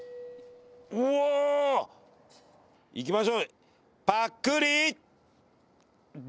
うわー！いきましょう。